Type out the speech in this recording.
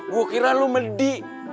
gua kira lu medi